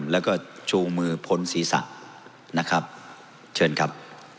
แล้วก็ชูมือพ้นศีรษะนะครับเชิญครับ